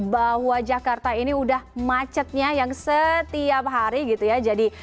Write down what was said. bahwa jakarta ini sudah macetnya yang setiap hari